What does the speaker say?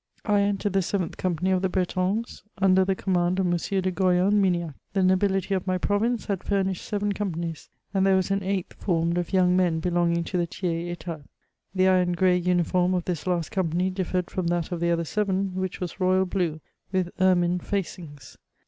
I entered the 7th company of the Bretons, under the command of M. de Goyon Miniac. The nobility of my province had furnished seven companies, and there was an eighth formed of young men belonging to the tiers etat ; the iron grey uniform of this last company differed from that of the other seven, which was royal blue with ermine facings.